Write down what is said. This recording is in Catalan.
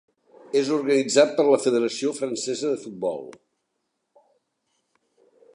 És organitzat per la Federació Francesa de Futbol.